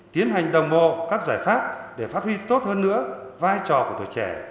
tiến hành đồng bộ các giải pháp để phát huy tốt hơn nữa vai trò của tuổi trẻ